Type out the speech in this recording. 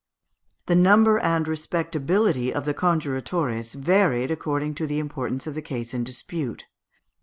] The number and respectability of the conjuratores varied according to the importance of the case in dispute.